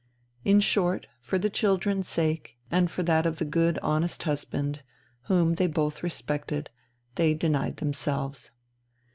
In short, for the children's sake and for that of the good, honest husband, whom they both respected, they denied themselves.